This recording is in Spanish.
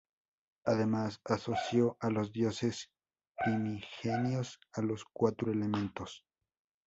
Además, asoció a los Dioses Primigenios a los cuatro elementos.